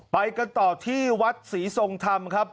ไปกันต่อที่วัดศรีทรงธรรมครับ